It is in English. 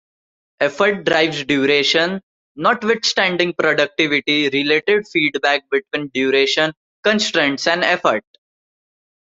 Effort drives duration, notwithstanding productivity-related feedback between duration constraints and effort.